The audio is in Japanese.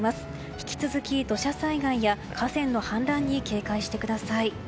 引き続き土砂災害や河川の氾濫に警戒してください。